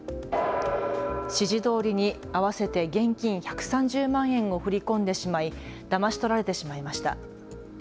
指示どおりに合わせて現金１３０万円を振り込んでしまいだまし取られてしまいました。